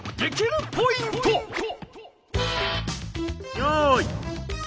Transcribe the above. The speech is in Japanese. よい。